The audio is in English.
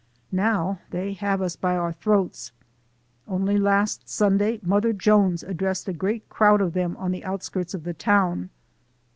Now they have us by our throats. Only last Sunday, 'Mother Jones' addressed a great crowd of them on the out skirts of the town.